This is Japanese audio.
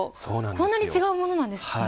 こんなに違うものなんですね。